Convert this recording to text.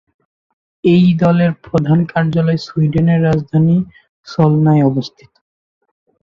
এই দলের প্রধান কার্যালয় সুইডেনের রাজধানী সোলনায় অবস্থিত।